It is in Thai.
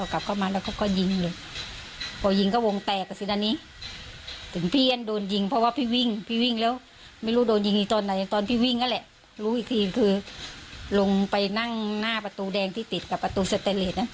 คนที่โดนยิงเขาหนีไงเขาวิ่งแล้วมาตายที่หน้าประตูแดงตรงนั้นแหละ